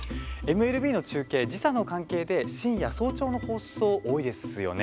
ＭＬＢの中継、時差の関係で深夜早朝の放送、多いですよね。